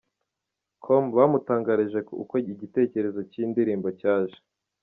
com bamutangarije uko igitekerezo cy’iyi ndirimbo cyaje.